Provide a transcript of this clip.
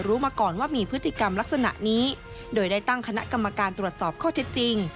รักษณะนี้โดยได้ตั้งคณะกรรมการตรวจสอบข้อเท็จจริง